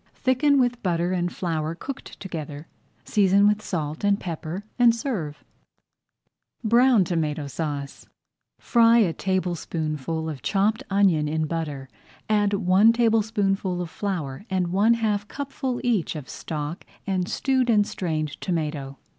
Thicken with butter and flour cooked together, season with salt and pepper and serve. [Page 39] BROWN TOMATO SAUCE Fry a tablespoonful of chopped onion in butter, add one tablespoonful of flour and one half cupful each of stock and stewed and strained tomato.